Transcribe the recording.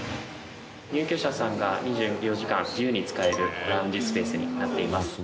入居者さんが２４時間自由に使えるラウンジスペースになっています。